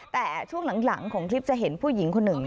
แต่ช่วงหลังของคลิปจะเห็นผู้หญิงคนหนึ่ง